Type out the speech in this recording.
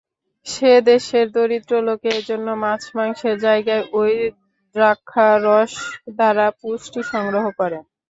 সে দেশের দরিদ্র লোকে এজন্য মাছ-মাংসের জায়গায় ঐ দ্রাক্ষারস দ্বারা পুষ্টি সংগ্রহ করে।